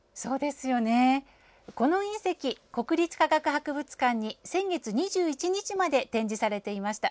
この隕石国立科学博物館に先月２１日まで展示されていました。